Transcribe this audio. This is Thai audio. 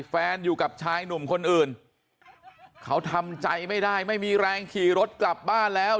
แฟนอยู่กับชายหนุ่มคนอื่นเขาทำใจไม่ได้ไม่มีแรงขี่รถกลับบ้านแล้ว